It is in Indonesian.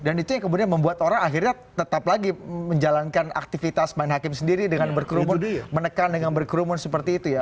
dan itu yang kemudian membuat orang akhirnya tetap lagi menjalankan aktivitas main hakim sendiri dengan berkerumun menekan dengan berkerumun seperti itu ya